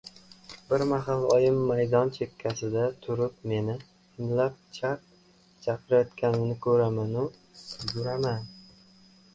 Bir mahal oyim maydon chekkasida turib meni imlab chaq- irayotganini ko‘ramanu yuguraman.